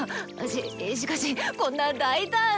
しっしかしこんな大胆な。